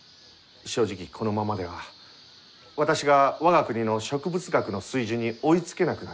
正直このままでは私が我が国の植物学の水準に追いつけなくなる。